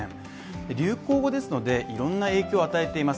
流行語ですので、いろんな影響を与えています